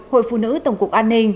hội phụ nữ tổng cục an ninh